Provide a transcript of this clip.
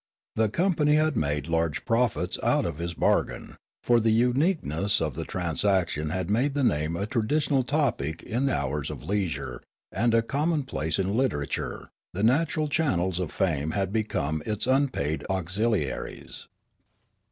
The company had made large profits out of this bar gain ; for the uniqueness of the transaction had made the name a traditional topic in hours of leisure and a commonplace in literature ; the natural channels of fame had become its unpaid auxiliaries.